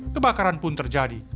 kebakaran pun terjadi